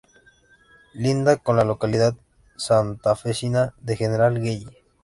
Linda con la localidad santafesina de General Gelly.